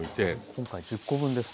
今回１０個分です。